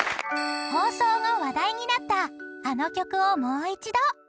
［放送が話題になったあの曲をもう一度］